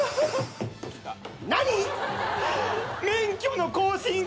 免許の更新